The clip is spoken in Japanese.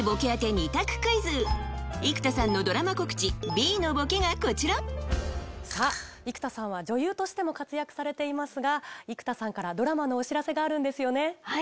Ｂのボケがこちらさぁ生田さんは女優としても活躍されていますが生田さんからドラマのお知らせがあるんですよね。